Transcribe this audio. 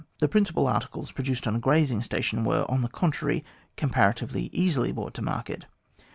The principal articles produced on a grazing station were, on the contrary, comparatively easily brought to market.